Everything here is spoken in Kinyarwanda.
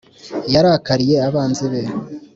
Yarakariye abanzi be